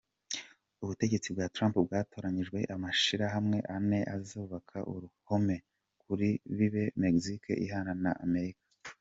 Ubutegetsi bwa Trump bwatoranije amashirahamwe ane azubaka uruhome ku rubibe Mexique ihana na Amerika.